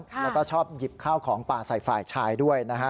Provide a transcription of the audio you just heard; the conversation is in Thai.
แล้วก็ชอบหยิบข้าวของปลาสายฝ่ายชายด้วย